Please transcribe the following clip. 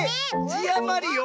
じあまりよ！